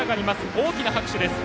大きな拍手です。